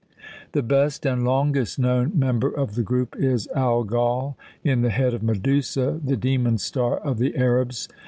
The best and longest known member of the group is Algol in the Head of Medusa, the "Demon star" of the Arabs.